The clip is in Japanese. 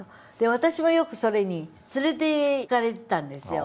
私はよくそれに連れていかれてたんですよ。